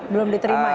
belum diterima ya